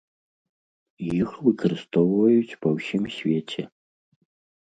Іх выкарыстоўваюць па ўсім свеце.